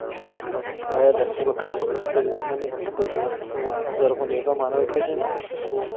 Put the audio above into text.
ایا لښتې به کله هم د خپلې لمنې د زرغونېدو مانا وپېژني؟